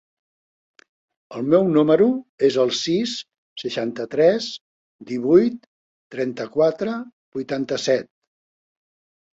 El meu número es el sis, seixanta-tres, divuit, trenta-quatre, vuitanta-set.